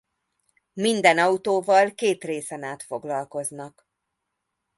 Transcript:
Minden autóval két részen át foglalkoznak.